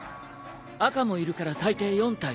赤もいるから最低４体。